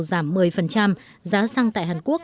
giảm một mươi giá sang tại hàn quốc